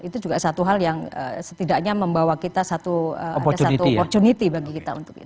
itu juga satu hal yang setidaknya membawa kita satu ada satu opportunity bagi kita untuk itu